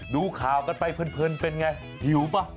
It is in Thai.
ดูข่าวกันไปเพลินเป็นไงหิวป่ะ